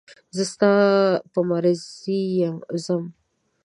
زه ستا په مرضي ځم.